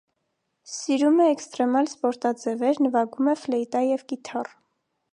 Սիրում է էքստրեմալ սպորտաձևեր, նվագում է ֆլեյտա և կիթառ։